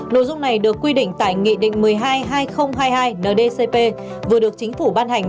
nội dung này được quy định tại nghị định một mươi hai hai nghìn hai mươi hai ndcp vừa được chính phủ ban hành